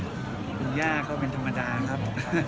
คุณย่าก็เป็นธรรมดาครับ